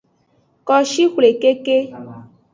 Koeshi xwle keke.